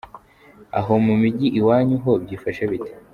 Aho mu mijyi iwanyu ho byifashe bite?.